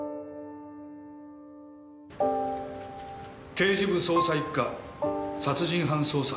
刑事部捜査一課殺人犯捜査